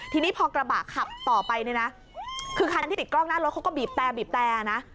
ทีนี้พอกระบะขับต่อไปคือคันที่ติดกล้องหน้ารถเขาก็บีบแต่นะ